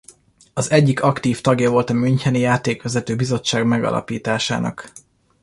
Az egyik aktív tagja volt a müncheni Játékvezető Bizottság megalapításának.